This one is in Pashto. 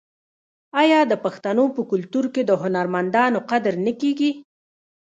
آیا د پښتنو په کلتور کې د هنرمندانو قدر نه کیږي؟